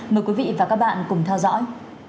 mời quý vị và các bạn cùng theo dõi